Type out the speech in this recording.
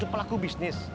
untuk pelaku bisnis